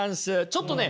ちょっとね